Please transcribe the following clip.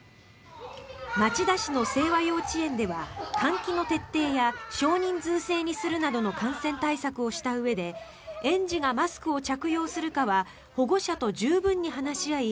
町田市の正和幼稚園では換気の徹底や少人数制にするなどの感染対策をしたうえで園児がマスクを着用するかは保護者と十分に話し合い